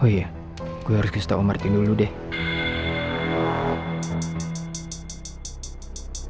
oh iya gue harus kasih tau om martin dulu deh